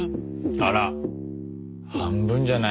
あら半分じゃない。